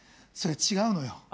それ違うのよ。